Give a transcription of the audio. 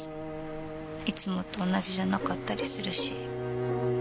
いつもと同じじゃなかったりするし。